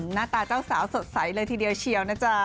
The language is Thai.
หน้าตาเจ้าสาวสดใสเลยทีเดียวเชียวนะจ๊ะ